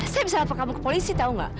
saya bisa lapor kamu ke polisi tau gak